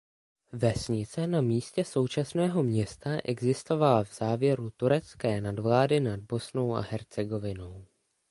Vesnice na místě současného města existovala v závěru turecké nadvlády nad Bosnou a Hercegovinou.